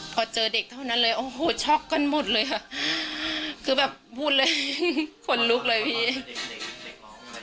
พอเจอเด็กเท่านั้นเลยโอ้โหช็อกกันหมดเลยค่ะคือแบบพูดเลยขนลุกเลยพี่